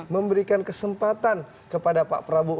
memberikan kesempatan kepada pak prabowo